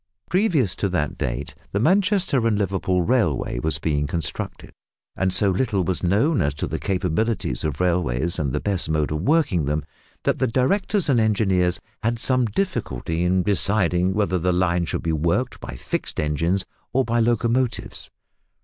Previous to that date the Manchester and Liverpool Railway was being constructed, and so little was known as to the capabilities of railways and the best mode of working them, that the directors and engineers had some difficulty in deciding whether the line should be worked by fixed engines or by locomotives.